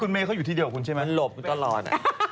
เมฆเขาอยู่ที่เดียวกับคุณใช่ไหมหลบคุณตลอด